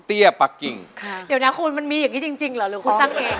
เตี้ยปักกิ่งค่ะเดี๋ยวนี้คุณมันมีอย่างนี้จริงเหรอหรือคุณตั้งเอง